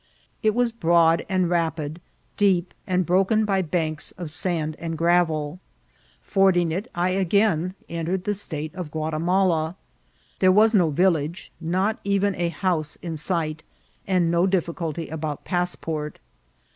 It was broad and rapid, deep, and bro ken by banks of sand and graveL Fording it, I again entered the State of Ouatimala. There was no vil lage, not even a house in sight, and no difficulty about passport.